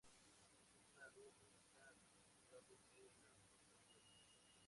Es una luz única al costado de la pista de aterrizaje.